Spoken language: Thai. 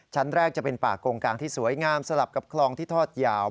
ชั้นแรกจะเป็นป่ากงกลางที่สวยงามสลับกับคลองที่ทอดยาว